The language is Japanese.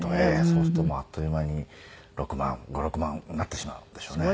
そうするともうあっという間に６万５６万なってしまうんでしょうね。